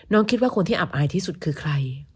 คิดว่าคนที่อับอายที่สุดคือใคร